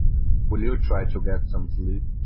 Will you try to get some sleep?